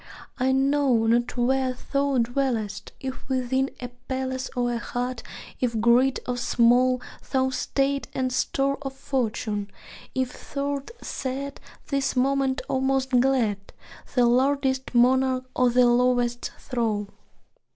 I know not where thou dwellest: if within A palace or a hut; if great or small Thy state and store of fortune; if thou 'rt sad This moment, or most glad; The lordliest monarch or the lowest thrall.